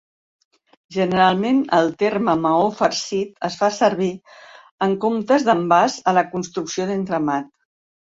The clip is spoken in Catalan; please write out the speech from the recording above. Generalment, el terme "maó farcit" es fa servir en comptes de envans a la construcció d'entramat.